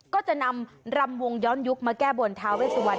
ก็จะนำรำวงย้อนยุคมาแก้บนทาเวสวรร